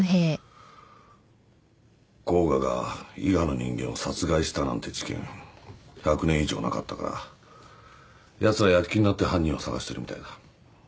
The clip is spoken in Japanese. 甲賀が伊賀の人間を殺害したなんて事件１００年以上なかったからやつら躍起になって犯人を捜してるみたいだ。